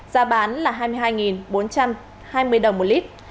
giá bán là hai mươi hai bốn trăm hai mươi đồng một lít